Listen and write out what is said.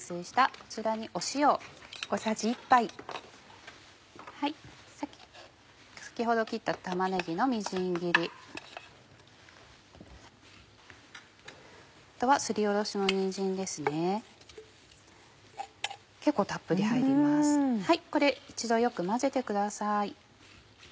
これ一度よく混ぜてください。